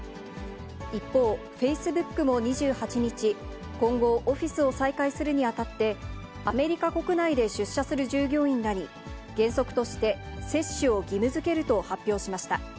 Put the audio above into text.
一方、フェイスブックも２８日、今後、オフィスを再開するにあたって、アメリカ国内で出社する従業員らに、原則として接種を義務づけると発表しました。